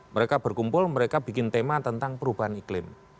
mereka berkumpul mereka bikin tema tentang perubahan iklim